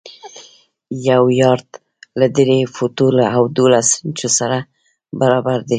یو یارډ له درې فوټو او دولس انچو سره برابر دی.